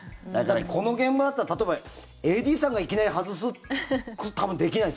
この現場だったら、例えばＡＤさんがいきなり外す多分、できないです。